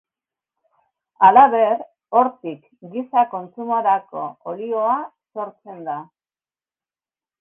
Halaber, hortik giza kontsumorako olioa sortzen da.